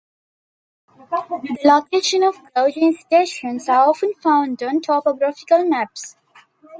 The location of gauging stations are often found on topographical maps.